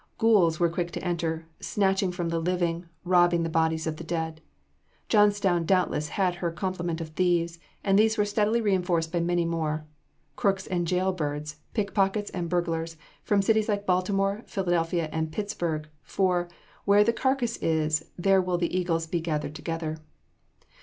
Ghouls were quick to enter, snatching from the living, robbing the bodies of the dead. Johnstown doubtless had her complement of thieves, and these were speedily reinforced by many more crooks and jailbirds, pickpockets and burglars, from cities like Baltimore, Philadelphia and Pittsburg; for "where the carcass is, there will the eagles be gathered together."